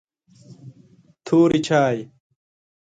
توري چای